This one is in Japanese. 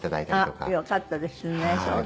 よかったですね。